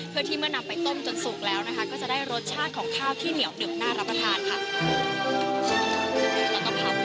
เพื่อที่เมื่อนำไปต้มจนสุกแล้วนะคะก็จะได้รสชาติของข้าวที่เหนียวหนึบน่ารับประทานค่ะ